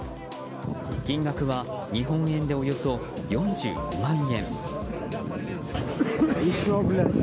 金額は日本円でおよそ４５万円。